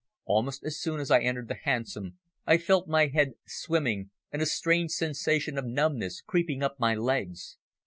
Almost as soon as I entered the hansom I felt my head swimming and a strange sensation of numbness creeping up my legs.